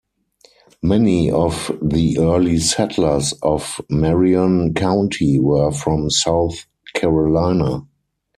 Many of the early settlers of Marion County were from South Carolina.